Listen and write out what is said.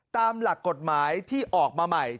ตามหลักกฎหมายที่ออกมาใหม่